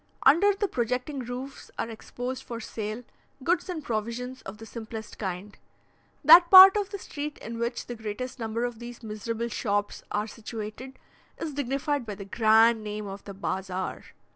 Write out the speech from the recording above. Under the projecting roofs are exposed for sale goods and provisions of the simplest kind. That part of the street in which the greatest number of these miserable shops are situated, is dignified by the grand name of the "Bazaar."